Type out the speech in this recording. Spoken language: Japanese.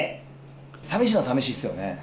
寂しいのは寂しいですよね。